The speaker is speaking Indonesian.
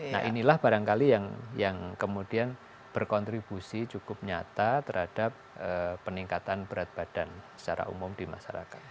nah inilah barangkali yang kemudian berkontribusi cukup nyata terhadap peningkatan berat badan secara umum di masyarakat